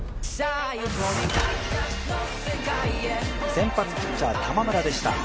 先発ピッチャー、玉村でした。